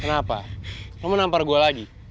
kenapa lo menampar gue lagi